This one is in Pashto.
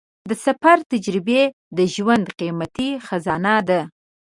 د سفر تجربې د ژوند قیمتي خزانه ده.